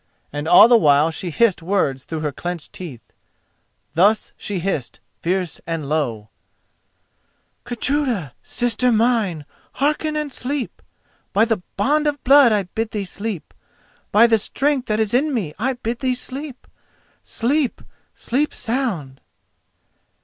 And all the while she hissed words through her clenched teeth. Thus she hissed, fierce and low: "Gudruda, Sister mine, hearken and sleep! By the bond of blood I bid thee sleep!— By the strength that is in me I bid thee sleep!— Sleep! sleep sound!